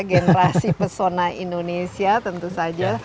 generasi pesona indonesia tentu saja